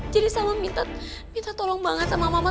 jadi salma minta tolong banget sama mama